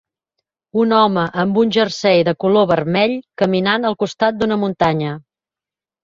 Un home amb un jersei de color vermell caminant al costat d"una muntanya.